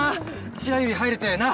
白百合入れてな。